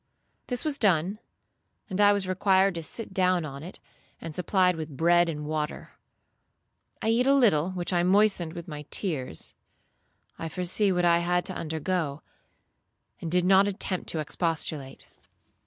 This was done, and I was required to sit down on it, and supplied with bread and water. I eat a little, which I moistened with my tears. I foresaw what I had to undergo, and did not attempt to expostulate.